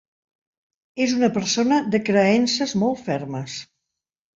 És una persona de creences molt fermes.